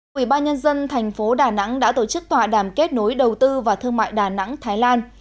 quỹ ba nhân dân thành phố đà nẵng đã tổ chức tọa đàm kết nối đầu tư và thương mại đà nẵng thái lan